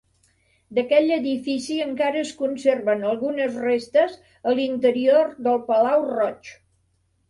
D'aquell edifici encara es conserven algunes restes a l'interior del Palau Roig.